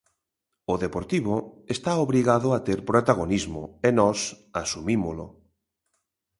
O Deportivo está obrigado a ter protagonismo e nós asumímolo.